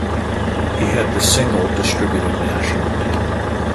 He had the single distributed nationally.